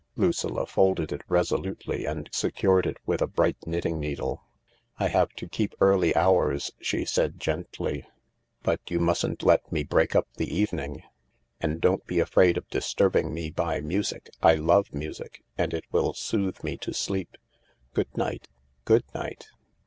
Lucilla folded it resolutely and secured it with a bright knitting needle. « I have to keep early hours," she said gently. ^ But you mustn't let me break up the evening. And don't be afraid of disturbing me by music. I love muste, and it will soothe me to sleep. Good night— good night."